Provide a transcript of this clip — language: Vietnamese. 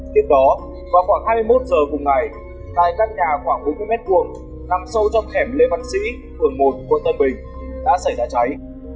tiếp đó vào khoảng hai mươi một h cùng ngày tại các nhà khoảng bốn mươi m hai nằm sâu trong hẻm lê văn sĩ phường một quận tân bình đã xảy ra cháy